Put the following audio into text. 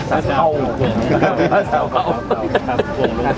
พระเจ้าข้าว